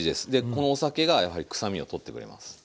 このお酒がやはり臭みを取ってくれます。